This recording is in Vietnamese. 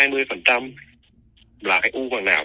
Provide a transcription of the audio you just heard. đó là cái u bằng não